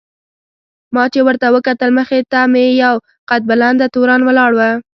ما چې ورته وکتل مخې ته مې یو قد بلنده تورن ولاړ و.